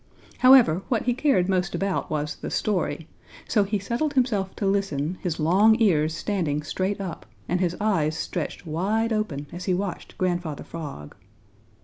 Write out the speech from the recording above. However, what he cared most about was the story, so he settled himself to listen, his long ears standing straight up, and his eyes stretched wide open as he watched Grandfather Frog.